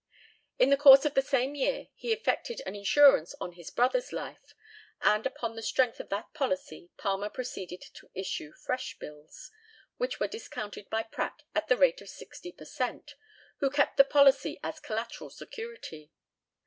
In the course of the same year he effected an insurance on his brother's life, and upon the strength of that policy Palmer proceeded to issue fresh bills, which were discounted by Pratt at the rate of 60 per cent., who kept the policy as collateral security.